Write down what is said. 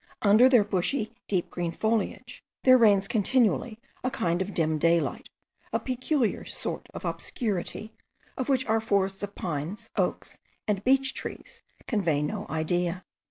Under their bushy, deep green foliage, there reigns continually a kind of dim daylight, a peculiar sort of obscurity, of which our forests of pines, oaks, and beech trees, convey no idea.